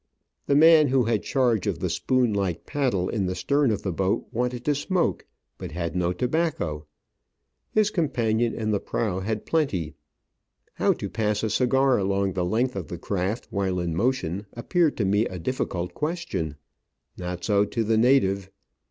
The man who had charge of the spoon like paddle in the stern of the boat wanted to smoke, but had no tobacco ; his companion in the prow had plenty. How to pass a cigar along the Digitized by VjOOQIC 196 Travels and Adventures length of the craft while in motion appeared to me a difficult question. Not so to the native.